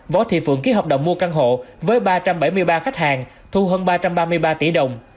võ thị phượng ký hợp đồng mua căn hộ với ba trăm bảy mươi ba khách hàng thu hơn ba trăm ba mươi ba tỷ đồng